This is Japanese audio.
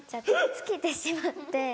尽きてしまって。